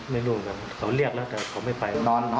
ไม่รู้เหมือนกันเขาเรียกแล้วแต่เขาไม่ไป